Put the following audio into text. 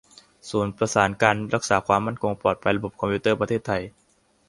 ศูนย์ประสานการรักษาความมั่นคงปลอดภัยระบบคอมพิวเตอร์ประเทศไทย